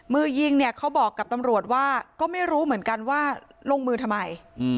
มือยิงเนี่ยเขาบอกกับตำรวจว่าก็ไม่รู้เหมือนกันว่าลงมือทำไม